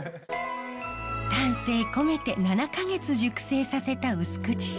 丹精込めて７か月熟成させた薄口しょうゆ。